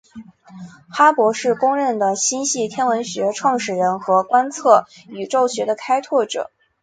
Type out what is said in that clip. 哈勃是公认的星系天文学创始人和观测宇宙学的开拓者。